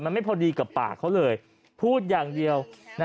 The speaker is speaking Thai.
มันไม่พอดีกับปากเขาเลยพูดอย่างเดียว